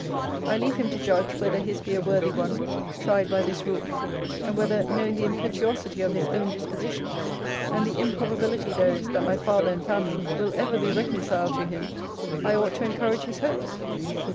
'I leave him to judge, whether his be a worthy one, tried by this rule: And whether, knowing the impetuosity of his own disposition, and the improbability there is that my father and family will ever be reconciled to him, I ought to encourage his hopes?